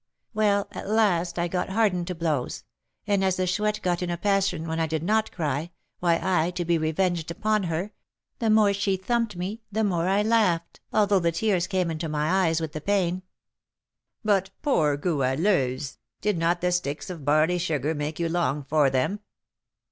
"Well, at last I got hardened to blows; and as the Chouette got in a passion when I did not cry, why I, to be revenged upon her, the more she thumped me the more I laughed, although the tears came into my eyes with the pain." "But, poor Goualeuse, did not the sticks of barley sugar make you long for them?"